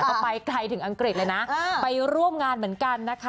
ก็ไปไกลถึงอังกฤษเลยนะไปร่วมงานเหมือนกันนะคะ